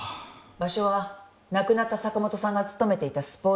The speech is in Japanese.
「場所は亡くなった坂本さんが勤めていたスポーツジム」